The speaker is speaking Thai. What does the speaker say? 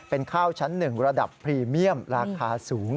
เป็นข้าวชั้น๑ระดับพรีเมียมราคาสูง